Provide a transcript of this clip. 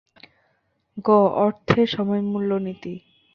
গ. অর্থের সময়মূল্য নীতি